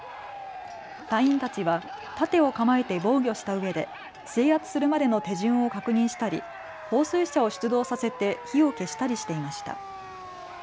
隊員たちは盾を構えて防御したうえで制圧するまでの手順を確認したり放水車を出動させて火を消したりしていました。